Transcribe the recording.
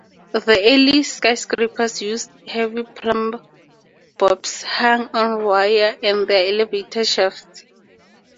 The early skyscrapers used heavy plumb-bobs, hung on wire in their elevator shafts.